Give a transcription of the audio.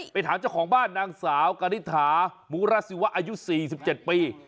ไปถามเจ้าของบ้านนางสาวกริษฐามุรสิวะอายุ๔๗ปี